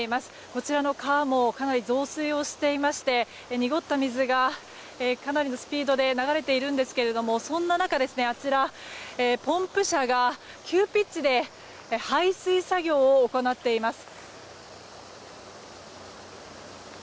こちらの川もかなり増水していまして濁った水がかなりのスピードで流れているんですけどもそんな中、あちらポンプ車が急ピッチで排水作業を行っています。